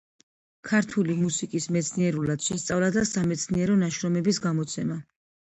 ქართული მუსიკის მეცნიერულად შესწავლა და სამეცნიერო ნაშრომების გამოცემა.